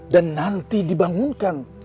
dan nanti dibangunkan